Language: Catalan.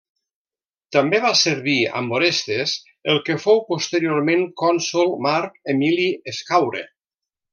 També va servir amb Orestes el que fou posteriorment cònsol Marc Emili Escaure.